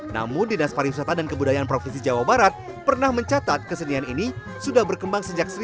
namun dinas pariwisata dan kebudayaan provinsi jawa barat pernah mencatat kesenian ini sudah berkembang sejak seribu sembilan ratus sembilan puluh